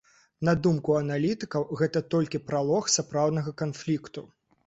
На думку аналітыкаў, гэта толькі пралог сапраўднага канфлікту.